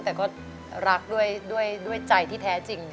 แต่ก็รักด้วยใจที่แท้จริง